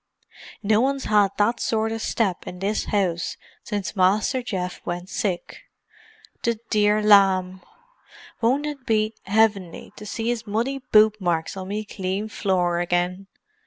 "No one's 'ad that sort of a step in this 'ouse since Master Geoff went sick. The dear lamb! Won't it be 'evinly to see 'is muddy boot marks on me clean floor agin!